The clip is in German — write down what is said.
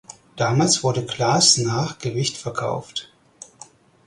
Damals wurde Glas nach Gewicht verkauft.